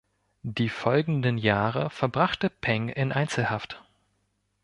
Die folgenden Jahre verbrachte Peng in Einzelhaft.